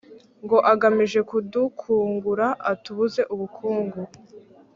Ngo agamije kudukungura atubuze ubukungu